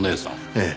ええ。